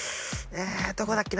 どこだっけな？